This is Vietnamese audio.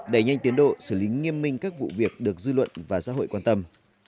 đẩy nhanh tiến độ xử lý nghiêm minh các vụ việc được dư luận và xã hội quan tâm